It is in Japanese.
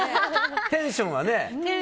テンションがね。